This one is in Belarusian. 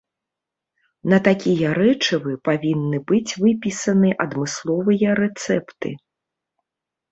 На такія рэчывы павінны быць выпісаны адмысловыя рэцэпты.